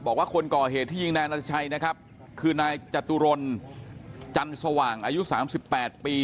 บอกว่าคนก่อเหตุที่ยิงนายนัชชัยนะครับคือนายจตุรนจันสว่างอายุ๓๘ปี